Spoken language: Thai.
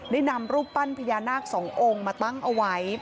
ได้นำรูปปั้นพญานาคสององค์มาตั้งเอาไว้